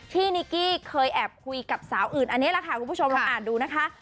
นิกกี้เคยแอบคุยกับสาวอื่นอันนี้แหละค่ะคุณผู้ชมลองอ่านดูนะคะ